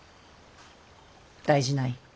大事ない。